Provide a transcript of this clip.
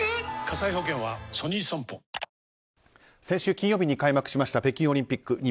先週金曜日に開幕しました北京オリンピック。